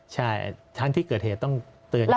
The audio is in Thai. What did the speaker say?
ใช่ทั้งที่เกิดเหตุต้องเตือนกัน